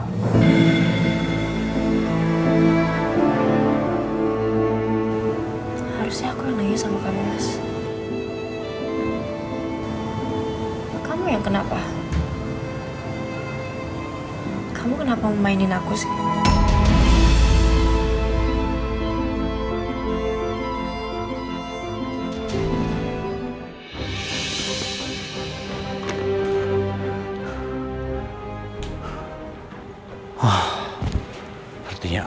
harusnya aku yang nangis sama kamu mas